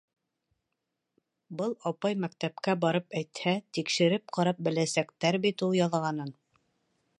Был апай мәктәпкә барып әйтһә, тикшереп ҡарап беләсәктәр бит ул яҙғанын.